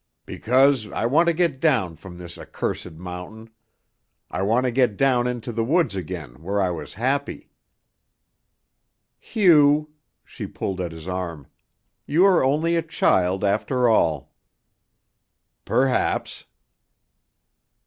"Because I want to get down from this accursed mountain. I want to get down into the woods again where I was happy." "Hugh" she pulled at his arm "you are only a child after all." "Perhaps."